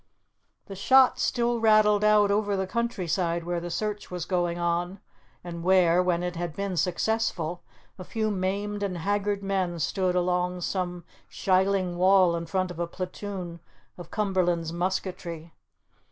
The shot still rattled out over the countryside where the search was going on, and where, when it had been successful, a few maimed and haggard men stood along some shieling wall in front of a platoon of Cumberland's musketry.